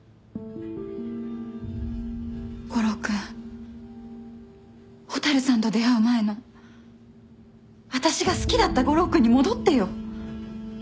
悟郎君蛍さんと出会う前の私が好きだった悟郎君に戻ってよ。